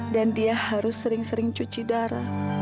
dan dia harus sering sering cuci darah